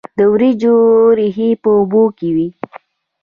د وریجو ریښې په اوبو کې وي.